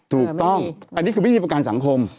ถูกต้องอันนี้คือไม่มีประกันสังคม